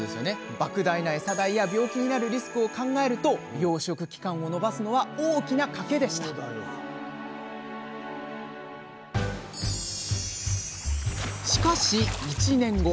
ばく大なエサ代や病気になるリスクを考えると養殖期間を延ばすのは大きな賭けでしたしかし１年後。